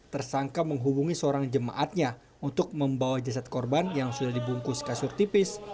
tersangka menghubungi seorang jemaatnya untuk membawa jasad korban yang sudah dibungkus kasur tipis